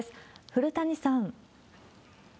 古谷さん。